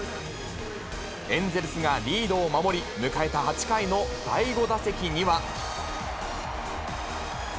エンゼルスがリードを守り、迎えた８回の第５打席には。